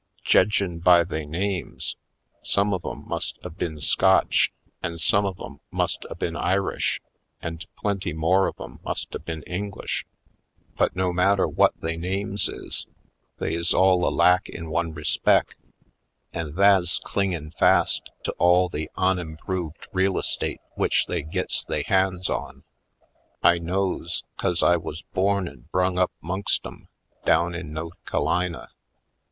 Jedgin' by they names, some of 'em must a been Scotch an' some of 'em must a been Irish and plen ty more of 'em must a been English ; but no matter whut they names is, they is all alak in one respec' : an' tha's clingin' fast to all the onimproved real estate w'ich they gits they hands on. I knows, 'cause I wuz born and brung up 'mongst 'em down in No'th Ca'lina.